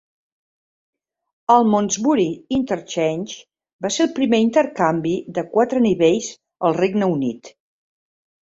Almondsbury Interchange va ser el primer intercanvi de quatre nivells al Regne Unit.